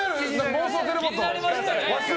妄想テレポート。